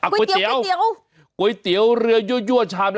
อ้าวก๋วยเตี๋ยวก๋วยเตี๋ยวก๋วยเตี๋ยวเรือยั่วชามละ๓๐